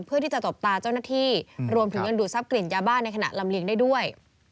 เพื่อที่จะตบตาเจ้าหน้าที่รวมถึงยังดูดทรัพย์กลิ่นยาบ้าในขณะลำเลียงได้ด้วย